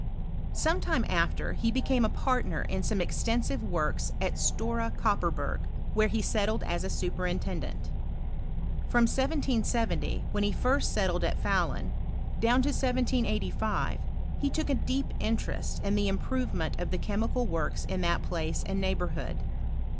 Sometime after, he became a partner in some ex tensive works at Stora Kopperberg, where he settled as a superintendent. From J 770, when he first set tled at Fahlun, down to 1785, he took a deep interest in the improvement of the chemical works in that place and neighbourhood.